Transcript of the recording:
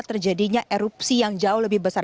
terjadinya erupsi yang jauh lebih besar